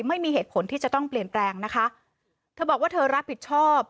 ไม่มีเหตุผลที่จะต้องเปลี่ยนแปลงนะคะเธอบอกว่าเธอรับผิดชอบ